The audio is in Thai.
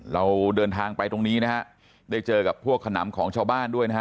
เราเดินทางไปตรงนี้นะฮะได้เจอกับพวกขนำของชาวบ้านด้วยนะฮะ